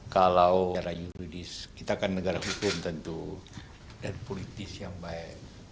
kalau era yuridis kita kan negara hukum tentu dan politis yang baik